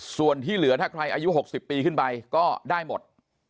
ส่วนที่เหลือถ้าใครอายุ๖๐ปีขึ้นไปก็ได้หมด